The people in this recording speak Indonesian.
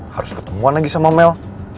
harus ketemuan lagi sama mel